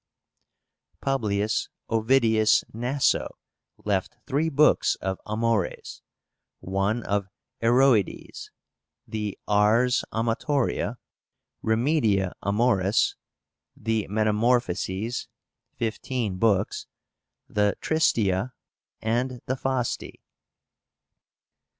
D.) PUBLIUS OVIDIUS NASO left three books of Amores; one of Heroides; the Ars Amatoria; Remedia Amoris; the Metamorphoses (fifteen books); the Tristia; and the Fasti.